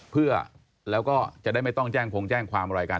เพื่อแล้วก็จะได้ไม่ต้องแจ้งคงแจ้งความอะไรกัน